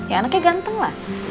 ya anaknya ganteng lah